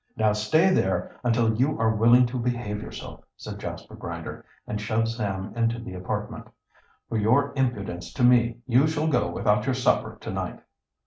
"Now stay there until you are willing to behave yourself," said Jasper Grinder, and shoved Sam into the apartment. "For your impudence to me you shall go without your supper to night."